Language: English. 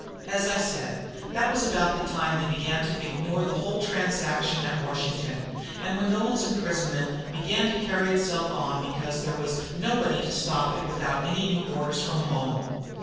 As I said, that was about the time when they began to ignore the whole transaction at Washington, and when Nolan's imprisonment began to carry itself on because there was nobody to stop it without any new orders from home.